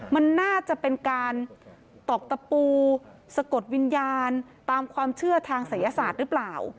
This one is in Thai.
มันน่าจะเป็นการตอกตะปูสะกดวิญญาณตามความเชื่อทางศัยศาสตร์หรือเปล่า